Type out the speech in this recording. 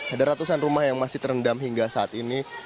ada ratusan rumah yang masih terendam hingga saat ini